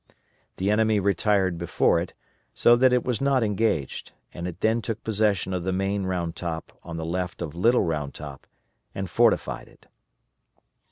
The enemy retired before it, so that it was not engaged, and it then took possession of the main Round Top on the left of Little Round Top and fortified it.